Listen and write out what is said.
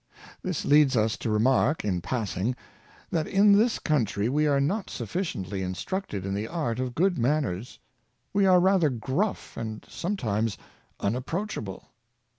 This leads us to remark, in passing, that in this country we are not sufficiently instructed in the art of good manners. We are rather gruff, and sometimes unapproachable.